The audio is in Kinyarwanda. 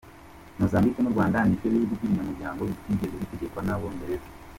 Mozambique n’u Rwanda nibyo bihugu binyamuryango bitigeze bitegekwa n’Abongereza.